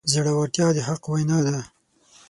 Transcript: زړورتیا د حق وینا ده.